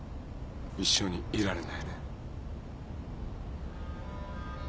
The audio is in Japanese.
一緒にいられないね。